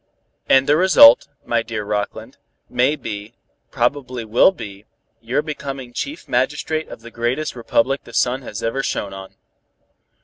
"And the result, my dear Rockland, may be, probably will be, your becoming chief magistrate of the greatest republic the sun has ever shone on."